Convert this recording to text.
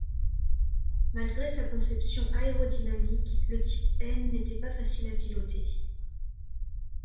Malgré sa conception aérodynamique, le type N n'était pas facile à piloter.